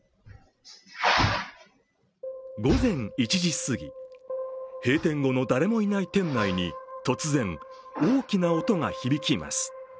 午前１時過ぎ、閉店後の誰もいない店内に突然、大きな音が響きます。